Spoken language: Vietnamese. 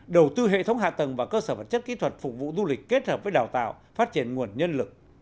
đầu tư hệ thống hạ tầng và cơ sở vật chất kỹ thuật phục vụ du lịch kết hợp với đào tạo phát triển nguồn nhân lực